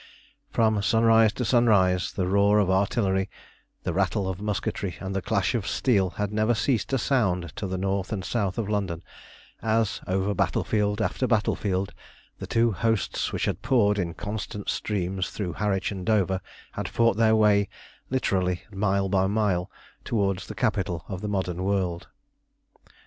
From sunrise to sunrise the roar of artillery, the rattle of musketry, and the clash of steel had never ceased to sound to the north and south of London as, over battlefield after battlefield, the two hosts which had poured in constant streams through Harwich and Dover had fought their way, literally mile by mile, towards the capital of the modern world.